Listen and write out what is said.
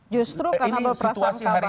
justru karena berprasangka baik